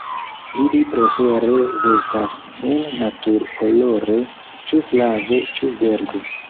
Ili prefere vestas sin natur-kolore, ĉu flave, ĉu verde.